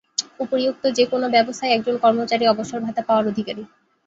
উপরিউক্ত যেকোন ব্যবস্থায় একজন কর্মচারী অবসরভাতা পাওয়ার অধিকারী।